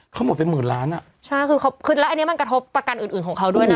เขาหมดเป็นหมื่นล้านอ่ะใช่คือเขาขึ้นแล้วอันนี้มันกระทบประกันอื่นอื่นของเขาด้วยนะ